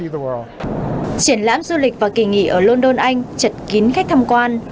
triển lãm du lịch và kỳ nghỉ ở london anh chật kín khách tham quan